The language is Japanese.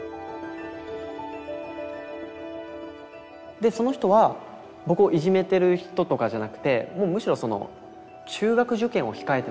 でその人は僕をいじめてる人とかじゃなくてむしろ中学受験を控えてたんですよね。